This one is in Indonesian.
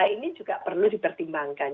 ini juga perlu dipertimbangkan